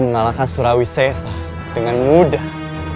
mengalahkan surawi sesa dengan mudah